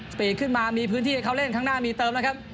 ปีกขึ้นมามีพื้นที่ให้เขาเล่นข้างหน้ามีเติมแล้วครับ